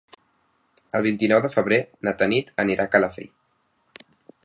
El vint-i-nou de febrer na Tanit anirà a Calafell.